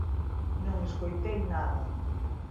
Non escoitei nada.